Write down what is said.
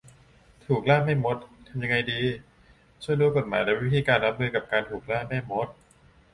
ถูกล่าแม่มด ทำยังไงดี ? ชวนดูกฎหมายและวิธีการรับมือกับการถูกล่าแม่มด